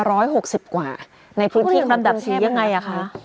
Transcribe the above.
ในพื้นที่ของกรุงเทพยังไงคะคุณคุณอยากรำดับสียังไงคะ